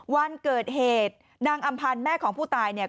วันเกิดเหตุนางอำพันธ์แม่ของผู้ตายเนี่ย